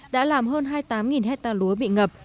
đã làm hơn hai mươi tám hecta lúa bị ngập